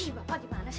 ih bapak gimana sih